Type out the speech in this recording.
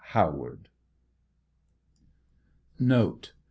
HOWAED. Note.